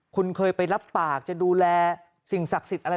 คุณเคยไปรับปากจะดูแลสิ่งศักดิ์สิทธิ์อะไร